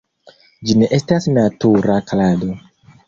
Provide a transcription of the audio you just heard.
Ĝi ne estas natura klado.